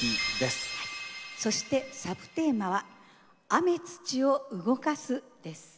そしてサブテーマは「天地を動かす」です。